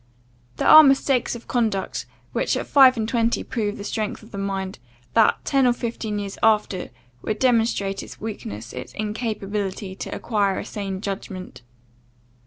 There are mistakes of conduct which at five and twenty prove the strength of the mind, that, ten or fifteen years after, would demonstrate its weakness, its incapacity to acquire a sane judgment.